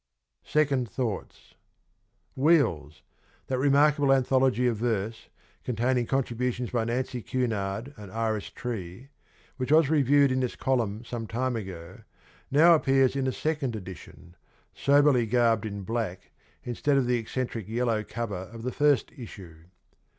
SECOND THOUGHTS. ' Wheels,' that remarkable anthology of verse, containing contributions by Nancy Cunard and Iris Tree, which was reviewed in this column some time ago, now appears in a second edition, soberly garbed in black instead of the eccentric yellow cover of the first issue.